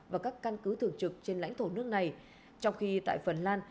và các căn cứ thường trực trên lãnh thổ nước này trong khi tại phần lan